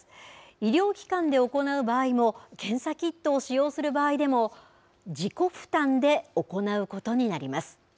医療機関で行う場合も、検査キットを使用する場合でも、自己負担で行うことになります。